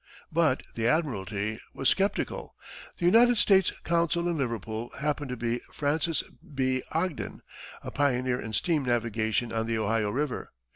But the admiralty was skeptical. The United States consul in Liverpool happened to be Francis B. Ogden, a pioneer in steam navigation on the Ohio river.